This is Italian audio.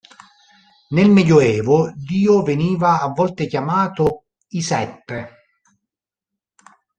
Nel Medioevo, Dio veniva a volte chiamato "I Sette".